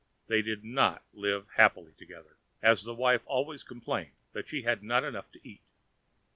They did not live happily together, as the wife always complained that she had not enough to eat.